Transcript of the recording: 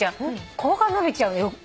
ここが伸びちゃう脇が。